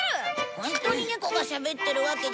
ホントに猫がしゃべってるわけじゃないよ。